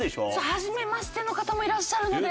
はじめましての方もいらっしゃるので。